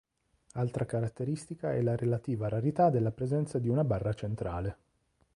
Altra caratteristica è la relativa rarità della presenza di una barra centrale.